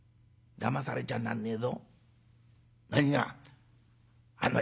だまされちゃなんねえぞ」。